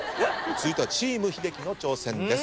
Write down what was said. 続いてはチーム英樹の挑戦です。